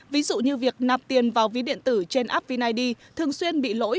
ví dụ như việc nạp tiền vào ví điện tử trên app vin id thường xuyên bị lỗi